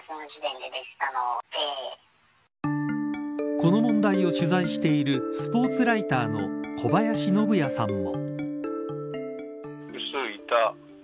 この問題を取材しているスポーツライターの小林信也さんも。